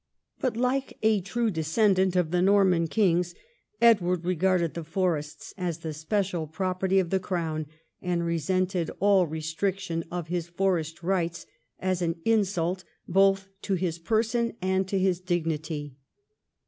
But, like a true descendant of the Norman kings, Edward regarded the forests as the special property of the crown and resented all restriction of his forest rights as an insult both to his person and to his dignity.